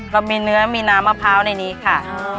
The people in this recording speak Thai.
เรามีเนื้อมีน้ำมะพร้าวในนี้ค่ะ